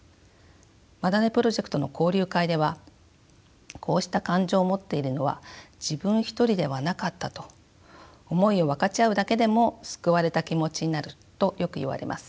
マダネプロジェクトの交流会ではこうした感情を持っているのは自分一人ではなかったと思いを分かち合うだけでも救われた気持ちになるとよく言われます。